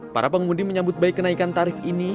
para pengemudi menyambut baik kenaikan tarif ini